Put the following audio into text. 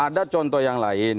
ada contoh yang lain